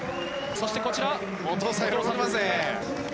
そしてこちら、お父さん。